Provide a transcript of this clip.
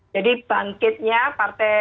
jadi bangkitnya partai